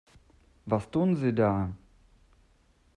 Was tun Sie da?